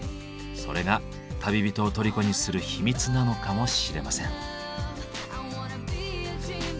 それが旅人を虜にする秘密なのかもしれません。